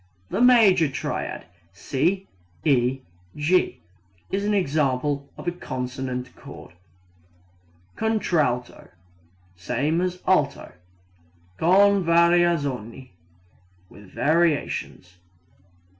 The major triad C E G is an example of a consonant chord. Contralto same as alto. Con variazioni with variations.